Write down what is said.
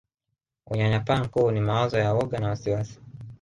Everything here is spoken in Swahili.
Unyanyapaa mkuu ni mawazo ya woga na wasiwasi